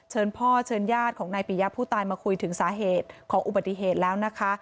พ่อเชิญญาติของนายปียะผู้ตายมาคุยถึงสาเหตุของอุบัติเหตุแล้วนะคะ